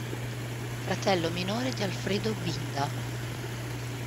Fratello minore di Alfredo Binda.